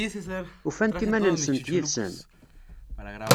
Ufant iman-nsent yid-sen?